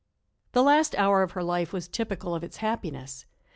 The last hour of her life was typical of its happiness.